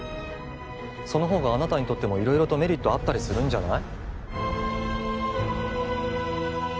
そのほうがあなたにとっても色々とメリットあったりするんじゃない？